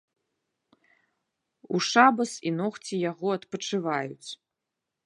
У шабас і ногці яго адпачываюць.